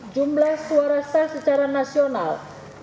jumlah suara sah secara nasional